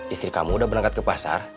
istri kamu udah berangkat ke pasar